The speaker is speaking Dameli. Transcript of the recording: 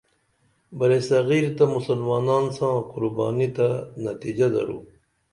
برصغیر تہ مسلمانان ساں قربانی تہ نتِجہ درو